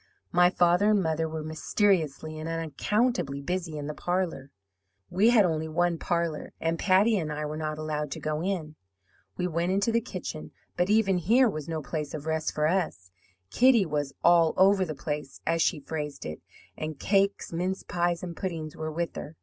My father and mother were mysteriously and unaccountably busy in the parlour (we had only one parlour), and Patty and I were not allowed to go in. We went into the kitchen, but even here was no place of rest for us. Kitty was 'all over the place,' as she phrased it, and cakes, mince pies, and puddings were with her.